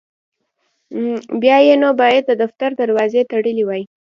بیا یې نو باید د دفتر دروازې تړلي وای.